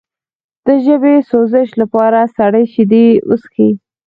د ژبې د سوزش لپاره سړې شیدې وڅښئ